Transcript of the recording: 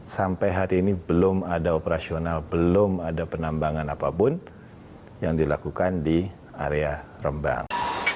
sampai hari ini belum ada operasional belum ada penambangan apapun yang dilakukan di area rembang